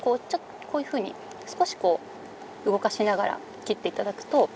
こういうふうに少しこう動かしながら切っていただくと。